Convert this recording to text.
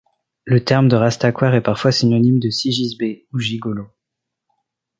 Le terme de rastaquouère est parfois synonyme de sigisbée ou gigolo.